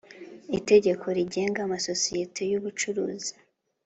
itegeko rigenga amasosiyete y ubucuruzi